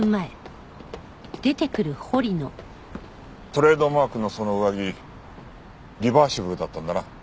トレードマークのその上着リバーシブルだったんだな。